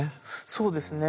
そうですね。